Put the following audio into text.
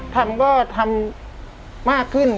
ทำก็ทำมากขึ้น